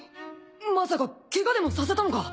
まさかけがでもさせたのか！？